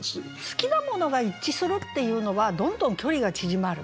好きなものが一致するっていうのはどんどん距離が縮まる。